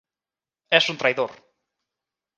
Es un traidor!